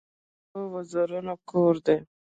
زړه د هيلو د وزرونو کور دی.